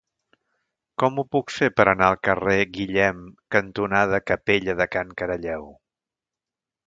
Com ho puc fer per anar al carrer Guillem cantonada Capella de Can Caralleu?